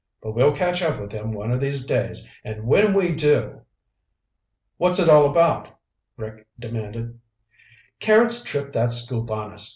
But we'll catch up with him one of these days, and when we do ..." "What's it all about?" Rick demanded. "Carrots tripped that scoop on us.